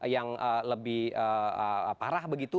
yang lebih parah begitu